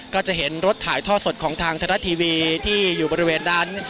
ก็จะเห็นรถถ่ายท่อสดของทางไทยรัฐทีวีที่อยู่บริเวณนั้น